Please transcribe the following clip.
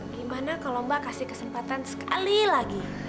gimana kalau mbak kasih kesempatan sekali lagi